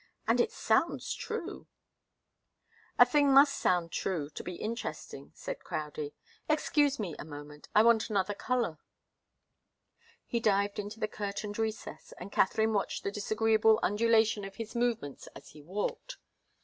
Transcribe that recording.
"And it sounds true." "A thing must sound true to be interesting," said Crowdie. "Excuse me a moment. I want another colour." He dived into the curtained recess, and Katharine watched the disagreeable undulation of his movements as he walked.